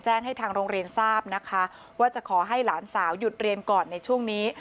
ให้ทางโรงเรียนทราบนะคะว่าจะขอให้หลานสาวหยุดเรียนก่อนในช่วงนี้